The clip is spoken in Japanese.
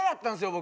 僕。